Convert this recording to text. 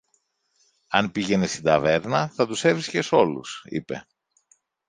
Αν πήγαινες στην ταβέρνα, θα τους έβρισκες όλους, είπε.